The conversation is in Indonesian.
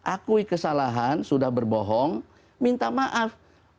akui kesalahan sudah berbohong minta maaf